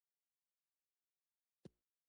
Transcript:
ازادي راډیو د مالي پالیسي د ستونزو رېښه بیان کړې.